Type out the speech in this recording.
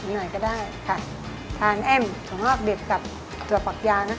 หน่อยก็ได้ค่ะทานเอ็มของเง้ากับตัวปักยาน้าคะ